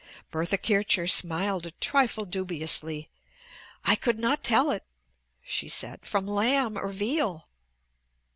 Bertha Kircher smiled a trifle dubiously. "I could not tell it," she said, "from lamb or veal."